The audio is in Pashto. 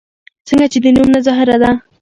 څنګه چې د نوم نه ظاهره ده